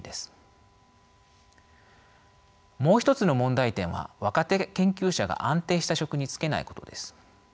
もう一つの問題点は若手研究者が安定した職に就けないことです。